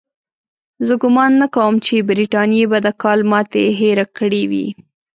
زه ګومان نه کوم چې برټانیې به د کال ماتې هېره کړې وي.